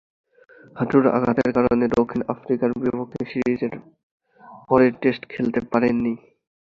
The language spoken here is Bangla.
হাঁটুর আঘাতের কারণে দক্ষিণ আফ্রিকার বিপক্ষে সিরিজের পরের টেস্টে খেলতে পারেননি।